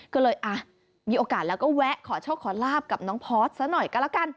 ก็เลยอ่ะมีโอกาสแล้วก็แวะขอโชคขอลาบกับน้องพอร์สซะหน่อยก็แล้วกัน